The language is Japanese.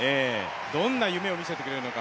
どんな夢を見せてくれるのか